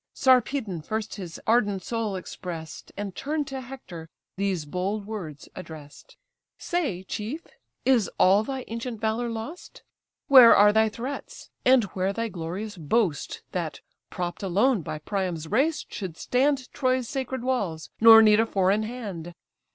Sarpedon first his ardent soul express'd, And, turn'd to Hector, these bold words address'd: "Say, chief, is all thy ancient valour lost? Where are thy threats, and where thy glorious boast, That propp'd alone by Priam's race should stand Troy's sacred walls, nor need a foreign hand?